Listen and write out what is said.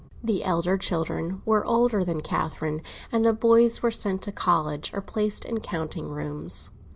The elder children were older than Catherine, and the boys were sent to college or placed in counting rooms.